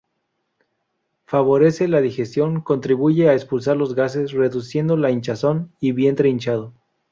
Favorece la digestión, contribuye a expulsar los gases, reduciendo la hinchazón y vientre hinchado.